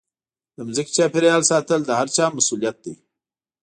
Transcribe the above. د ځمکې چاپېریال ساتل د هرچا مسوولیت دی.